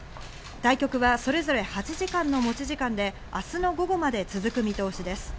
対局はそれぞれ８時間の持ち時間で明日の午後まで続く見通しです。